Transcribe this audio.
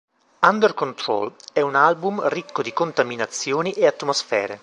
Under control è un album ricco di contaminazioni e atmosfere.